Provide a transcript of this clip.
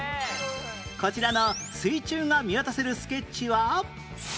こちらの水中が見渡せるスケッチは